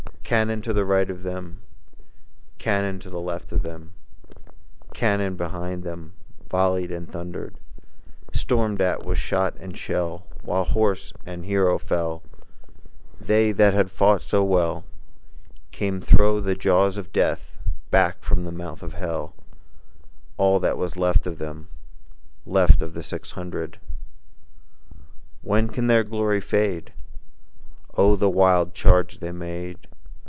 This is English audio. Cannon to the right of them, Cannon to the left of them, Cannon in front of them Volleyed and thundered; Stormed at with shot and shell, While horse and hero fell, They that fought so well, Came thro' the jaws of Death, Back from the mouth of Hell, All that was left of them, Left of the six hundred. When can their glory fade? Oh, the wild charge they made!